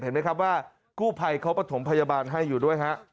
เห็นไหมครับว่ากู้ภัยเขาประถมพยาบาลให้อยู่ด้วยฮะ